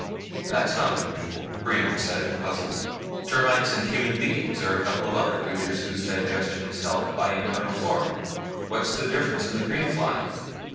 "That's not unusual," Brion said, puzzled. "Termites and human beings are a couple of other creatures whose digestion is helped by internal flora. What's the difference in the green fly?"